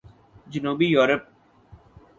جنوبی یورپ